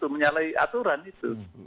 menyalahi aturan itu